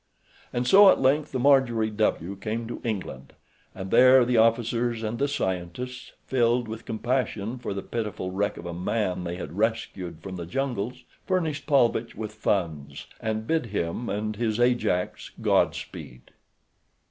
And so at length the Marjorie W. came to England, and there the officers and the scientists, filled with compassion for the pitiful wreck of a man they had rescued from the jungles, furnished Paulvitch with funds and bid him and his Ajax Godspeed.